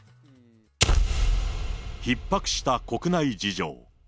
ひっ迫した国内事情。